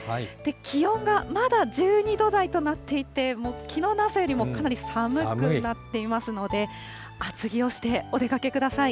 気温がまだ１２度台となっていて、きのうの朝よりもかなり寒くなっていますので、厚着をしてお出かけください。